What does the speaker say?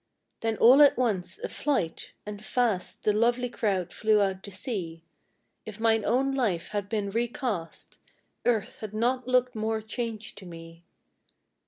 Then all at once a flight, and fast The lovely crowd flew out to sea; If mine own life had been recast, Earth had not looked more changed to me.